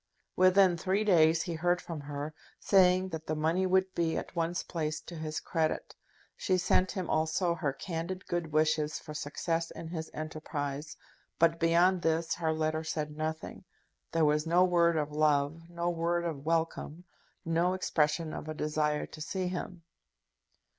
Within three days he heard from her, saying that the money would be at once placed to his credit. She sent him also her candid good wishes for success in his enterprise, but beyond this her letter said nothing. There was no word of love, no word of welcome, no expression of a desire to see him.